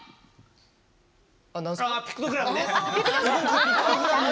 あ、ピクトグラムね。